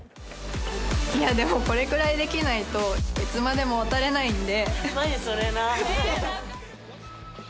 でも、これくらいできないといつまでも渡れないんで。